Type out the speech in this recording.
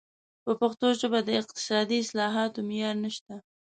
په پښتو ژبه د اقتصادي اصطلاحاتو معیار نشته.